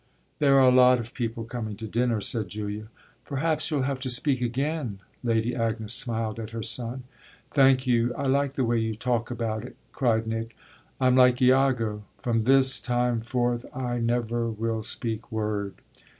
"There are a lot of people coming to dinner," said Julia. "Perhaps you'll have to speak again," Lady Agnes smiled at her son. "Thank you; I like the way you talk about it!" cried Nick. "I'm like Iago: 'from this time forth I never will speak word!'"